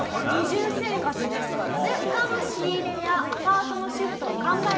二重生活ですからね。